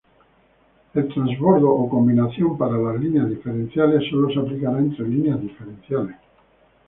El transbordo o combinación para las líneas diferenciales sólo se aplicará entre líneas diferenciales.